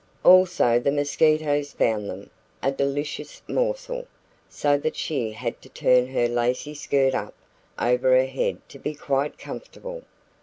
Also the mosquitoes found them a delicious morsel! so that she had to turn her lacy skirt up over her head to be quite comfortable.